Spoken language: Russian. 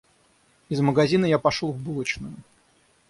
Из магазина я пошел в булочную.